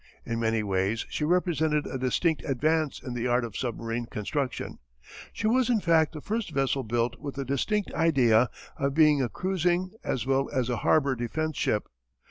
In many ways she represented a distinct advance in the art of submarine construction. She was in fact the first vessel built with the distinct idea of being a cruising, as well as a harbour defence ship.